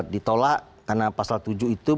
ditolak karena pasal tujuh itu